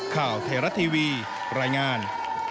ข่าวไทยรัฐทีวีรายงาน